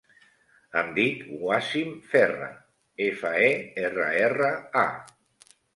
Em dic Wassim Ferra: efa, e, erra, erra, a.